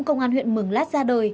công an huyện mường lát ra đời